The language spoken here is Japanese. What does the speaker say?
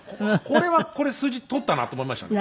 これはこれ数字取ったなと思いましたね。